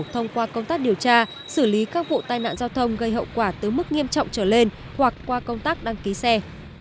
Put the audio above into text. thông qua công tác điều tra xử lý các vụ tai nạn giao thông gây hậu quả từ mức nghiêm trọng trở lên hoặc qua công tác đăng ký xe